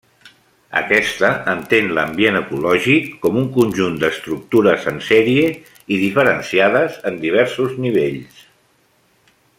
Aquesta entén l'ambient ecològic com un conjunt d'estructures en sèrie i diferenciades en diversos nivells.